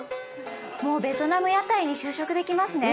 もうベトナム屋台に就職できますね。